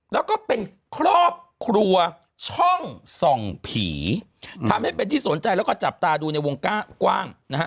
แล้วก็เป็นครอบครัวช่องส่องผีทำให้เป็นที่สนใจแล้วก็จับตาดูในวงกว้างนะฮะ